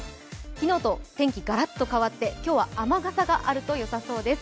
昨日と天気、ガラッと変わって今日は雨傘があるとよさそうです。